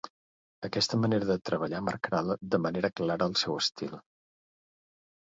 Aquesta manera de treballar marcarà de manera clara el seu estil.